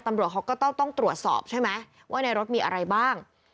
ตำรวจเขาก็ต้องตรวจสอบใช่ไหมว่าในรถมีอะไรบ้าง